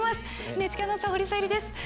ＮＨＫアナウンサー保里小百合です。